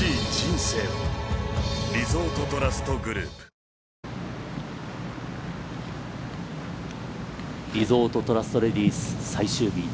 惜しくも、大里、リゾートトラストレディス、最終日。